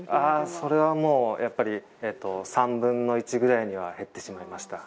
それはもう、やっぱり３分の１ぐらいには減ってしまいました。